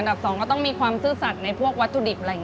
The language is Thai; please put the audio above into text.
อันดับสองก็ต้องมีความสื่อสรรค์ในพวกวัตถุดิบ